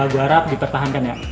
gue harap dipertahankan ya